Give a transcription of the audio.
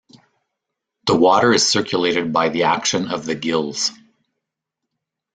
The water is circulated by the action of the gills.